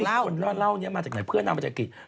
อีกวันนี้ก็มีคนเล่าเนี่ยมาจากไหนเพื่อนนางมาจากกิจ